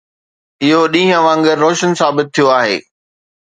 اهو ڏينهن وانگر روشن ثابت ٿيو آهي.